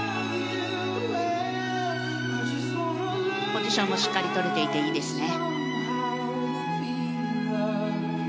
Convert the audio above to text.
ポジションもしっかり取れていていいですね。